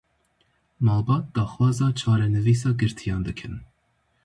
Malbat daxwaza çarenivîsa girtiyan dikin.